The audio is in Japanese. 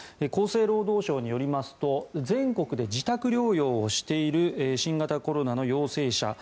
厚生労働省によりますと全国で自宅療養をしている新型コロナの陽性者